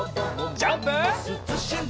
ジャンプ！